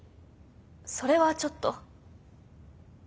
それはちょっと。